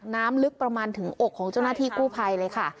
น้ำลึกประมาณถึงอกของเจ้าหน้าที่กู้ภัยเลยค่ะ